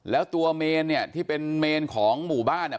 แล้วตัวเมนเนี่ยที่เป็นเมนของหมู่บ้านอ่ะ